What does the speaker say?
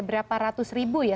berapa ratus ribu ya